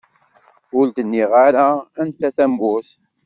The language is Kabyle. Ur d-nniɣ ara anta tamurt.